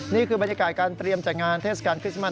นี่คือบรรยากาศการเตรียมจัดงานเทศกาลคริสต์มัส